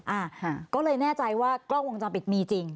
อ่าก็เลยแน่ใจว่ากล้องวงจรปิดมีจริง